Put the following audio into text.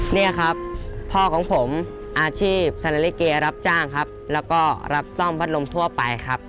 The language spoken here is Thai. นี่ครับพ่อของผมอาชีพซาเลลิเกียร์รับจ้างครับแล้วก็รับซ่อมพัดลมทั่วไปครับ